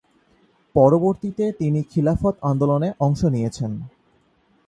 পরবর্তীতে তিনি খিলাফত আন্দোলনে অংশ নিয়েছেন।